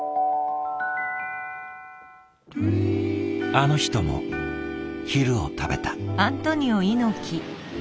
あの人も昼を食べた。